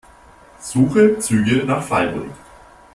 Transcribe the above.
Suche Züge nach Freiburg.